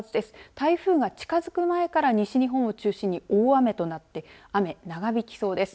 台風が近づく前から西日本を中心に大雨となって雨が長引きそうです。